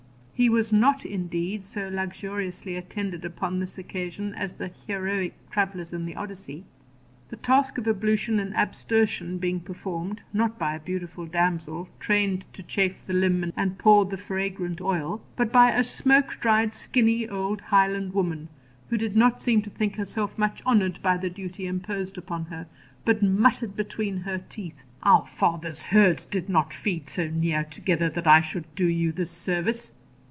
He was not, indeed, so luxuriously attended upon this occasion as the heroic travellers in the Odyssey; the task of ablution and abstersion being performed, not by a beautiful damsel, trained To chafe the limb, and pour the fragrant oil, but by a smoke dried skinny old Highland woman, who did not seem to think herself much honoured by the duty imposed upon her, but muttered between her teeth, 'Our fathers' herds did not feed so near together that I should do you this service.'